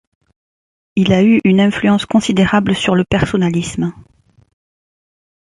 Il a eu une influence considérable sur le personnalisme.